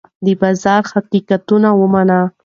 د بازار حقیقتونه ومنئ.